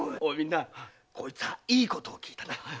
みんなこいつはいいことを聞いたな。